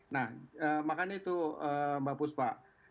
nah makanya itu mbak puspa